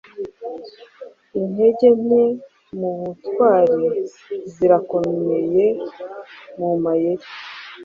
Intege nke mubutwari zirakomeye mumayeri.